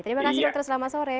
terima kasih dokter selamat sore